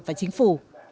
và chính phủ